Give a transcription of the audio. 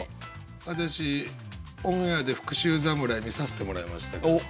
私オンエアで「復習侍」見させてもらいましたけど。